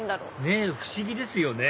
ねぇ不思議ですよね